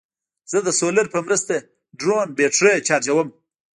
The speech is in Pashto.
زه د سولر په مرسته ډرون بیټرۍ چارجوم.